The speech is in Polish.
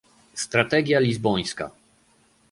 Strategia lizbońska